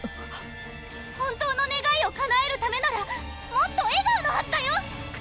本当のねがいをかなえるためならもっと笑顔のはずだよ！